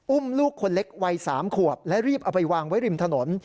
อุ้มลูกคนเล็กวัย๓ขวบและรีบเอาไปวางไว้ริมถนน